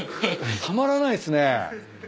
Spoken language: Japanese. たまらないっすね。